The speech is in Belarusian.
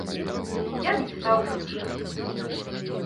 Я б не стаў прымушаць.